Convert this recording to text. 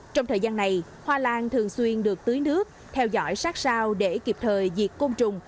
trong thời gian này hoa lan thường xuyên được tưới nước theo dõi sát sao để kịp thời diệt côn trùng